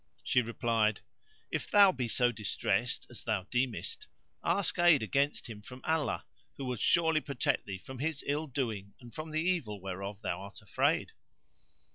She replied, "If thou be so distressed, as thou deemest, ask aid against him from Allah, who will surely protect thee from his ill doing and from the evil whereof thou art afraid."